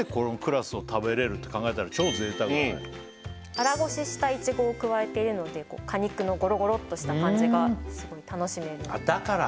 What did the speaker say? これでもさうん粗ごししたいちごを加えているので果肉のゴロゴロっとした感じがすごい楽しめるあっだから？